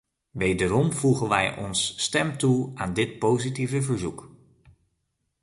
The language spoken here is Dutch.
Wederom voegen wij ons stem toe aan dit positieve verzoek.